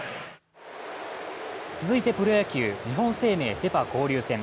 続いてプロ野球、日本生命セ・パ交流戦。